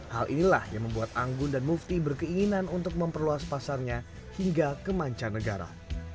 hal inilah yang membuat anggun dan mufti berkeinginan untuk memperluas pasarnya hingga kemanca negara